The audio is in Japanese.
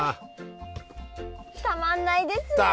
たまんないですね！